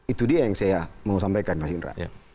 itu dia yang saya mau sampaikan mas indra